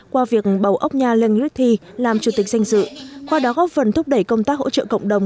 qua việc bầu ốc nhà lê nguyễn thi làm chủ tịch danh dự qua đó góp phần thúc đẩy công tác hỗ trợ cộng đồng